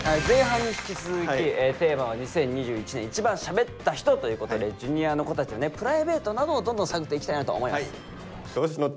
前半に引き続きテーマは「２０２１年いちばんしゃべった人」ということでＪｒ．の子たちのねプライベートなどをどんどん探っていきたいなと思います。